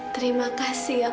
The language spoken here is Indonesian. terima kasih ya allah